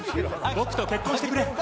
僕と結婚してくれ。